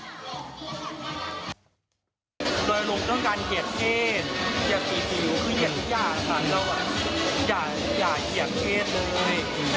เหยียดสีสิวคือเหยียดที่ยากค่ะ